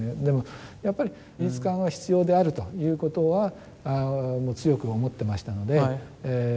でもやっぱり美術館は必要であるということはもう強く思ってましたので。